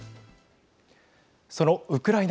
そのウクライナ